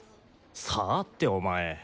さあってお前。